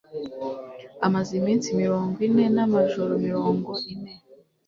“Amaze iminsi mirongo ine n’amajoro mirongo ine